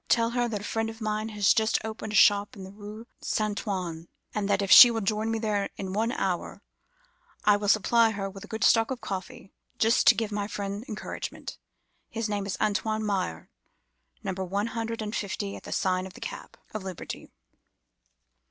Tell her that a friend of mine has just opened a shop in the Rue Saint Antoine, and that if she will join me there in an hour, I will supply her with a good stock of coffee, just to give my friend encouragement. His name is Antoine Meyer, Number One hundred and Fifty at the sign of the Cap of Liberty.